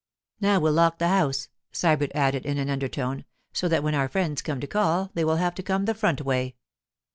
'Now we'll lock the house,' Sybert added in an undertone, 'so that when our friends come to call they will have to come the front way.